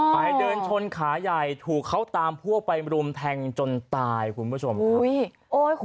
ไปเดินชนขาใหญ่ถูกเขาตามพวกไปรุมแทงจนตายคุณผู้ชมครับ